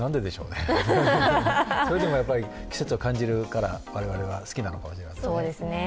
それでもやっぱり季節を感じるから我々は好きなのかもしれないですね。